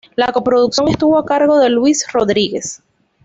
La co-producción estuvo a cargo de Luis Rodríguez.